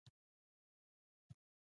پسته ولې خندان ده؟